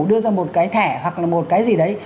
đưa ra một cái thẻ hoặc là một cái gì đấy